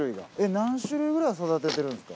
何種類くらい育ててるんですか？